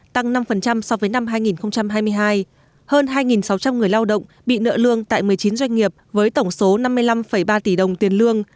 tăng năm so với năm hai nghìn hai mươi hai hơn hai sáu trăm linh người lao động bị nợ lương tại một mươi chín doanh nghiệp với tổng số năm mươi năm ba tỷ đồng tiền lương